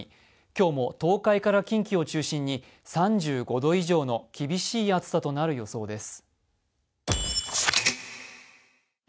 今日も東海から近畿を中心に３５度以上の厳しい暑さとなる予想です。